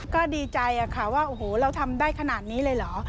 ก็ดีใจค่ะว่าโอ้โหเราทำได้ขนาดนี้เลยเหรอ